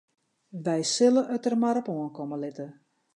Wy sille it der mar op oankomme litte.